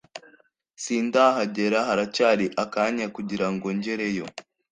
sindahagera haracyari akanya kugira ngo ngereyo.”